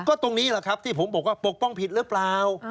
ก็ตรงนี้แหละครับที่ผมบอกว่าปกป้องผิดหรือเปล่า